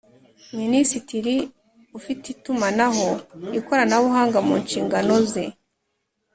minisitiri ufite itumanaho ikoranabuhanga mu nshingano z